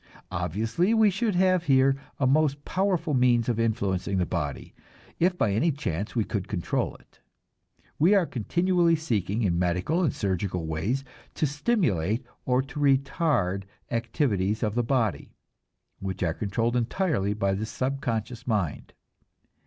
Obviously we should have here a most powerful means of influencing the body, if by any chance we could control it. We are continually seeking in medical and surgical ways to stimulate or to retard activities of the body, which are controlled entirely by this subconscious mind.